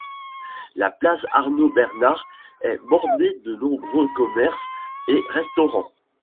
La place Arnaud-Bernard est bordée de nombreux commerces et restaurants.